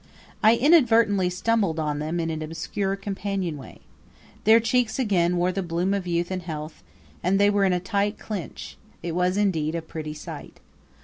I inadvertently stumbled on them in an obscure companionway. Their cheeks again wore the bloom of youth and health, and they were in a tight clinch; it was indeed a pretty sight.